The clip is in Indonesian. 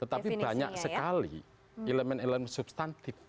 tetapi banyak sekali elemen elemen substantif